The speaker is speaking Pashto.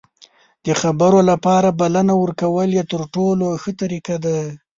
د خبرو لپاره بلنه ورکول یې تر ټولو ښه طریقه ده.